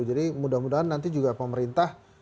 jadi mudah mudahan nanti juga pemerintah